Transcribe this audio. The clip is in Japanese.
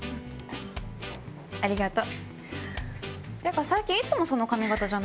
ありがと。